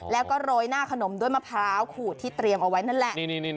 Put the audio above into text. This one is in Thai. แล้วก็โรยหน้าขนมด้วยมะพร้าวขูดที่เตรียมเอาไว้นั่นแหละ